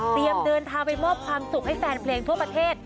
เดินทางไปมอบความสุขให้แฟนเพลงทั่วประเทศ